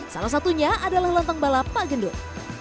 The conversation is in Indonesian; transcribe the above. salah satunya adalah lontong balap pak gendut